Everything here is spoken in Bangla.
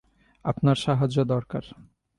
আপনার সাহায্য দরকার।